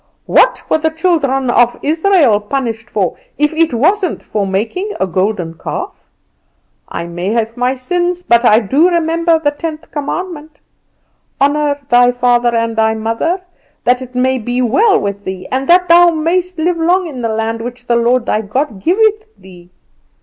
What were the children of Israel punished for, if it wasn't for making a golden calf? I may have my sins, but I do remember the tenth commandment: 'Honour thy father and mother that it may be well with thee, and that thou mayest live long in the land which the Lord thy God giveth thee!